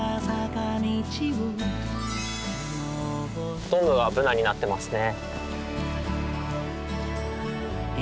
ほとんどがブナになってますね。